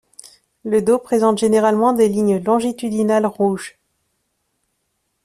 Le dos présente généralement des lignes longitudinales rouges.